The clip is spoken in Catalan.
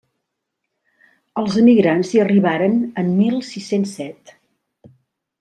Els emigrants hi arribaren en mil sis-cents set.